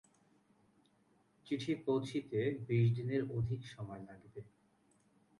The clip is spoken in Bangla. চিঠি পৌঁছিতে বিশ দিনের অধিক সময় লাগিবে।